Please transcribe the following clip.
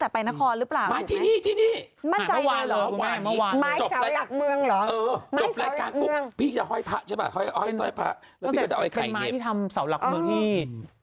เป็นไม้เสาหลักเมืองนี่